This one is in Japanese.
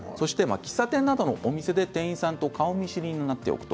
喫茶店などのお店で店員さんと顔見知りになっておく。